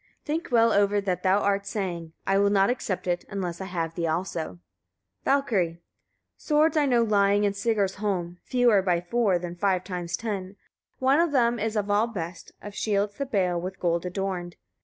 Think well over what thou art saying. I will not accept it, unless I have thee also. Valkyria. 8. Swords I know lying in Sigarsholm, fewer by four than five times ten: one of them is of all the best, of shields the bale, with gold adorned.